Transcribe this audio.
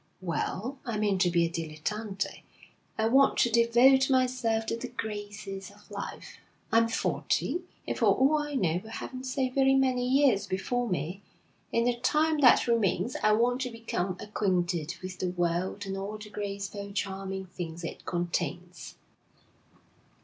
Well, I mean to be a dilettante. I want to devote myself to the graces of life. I'm forty, and for all I know I haven't so very many years before me: in the time that remains, I want to become acquainted with the world and all the graceful, charming things it contains.'